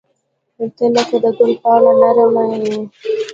• ته لکه د ګل پاڼه نرمه یې.